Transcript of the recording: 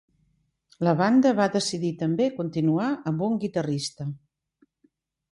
La banda va decidir també continuar amb un guitarrista.